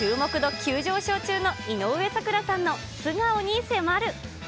急上昇中の井上咲楽さんの素顔に迫る。